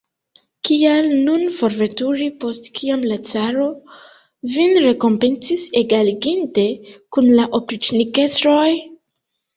Kial nun forveturi, post kiam la caro vin rekompencis, egaliginte kun la opriĉnikestroj?